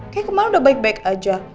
kayaknya kemarin udah baik baik aja